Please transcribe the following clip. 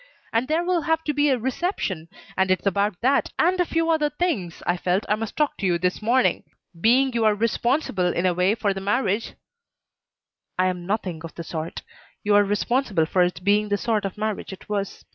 And there will have to be a reception, and it's about that, and a few other things, I felt I must talk to you this morning, being you are responsible, in a way, for the marriage " "I am nothing of the sort. You are responsible for its being the sort of marriage it was.